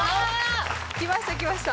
来ました来ました。